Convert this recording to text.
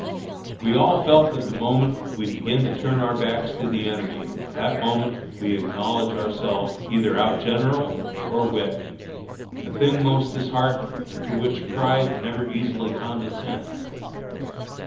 We all felt that the moment we begin to turn our backs to the enemy, that moment we acknowledge ourselves either outgeneraled or whipped, a thing most disheartening, and to which pride never easily condescends.